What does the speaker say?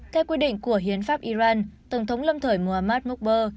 theo quy định của hiến pháp iran tổng thống lâm thời mohammad mukber